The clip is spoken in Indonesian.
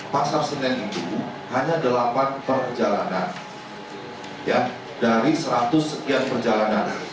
berhenti ditinggalkan dilewatkan pasar senen itu hanya delapan perjalanan dari seratus sekian perjalanan